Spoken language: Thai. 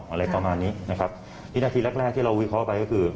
อะไรประมาณนี้นะครับวินาทีแรกแรกที่เราวิเคราะห์ไปก็คือ